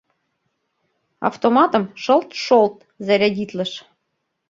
Автоматым шылт-шолт зарядитлыш.